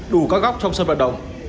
đủ các góc trong sân vận động